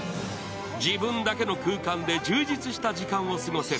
自分だけの空間で充実した時間を過ごせる